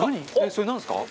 それなんですか？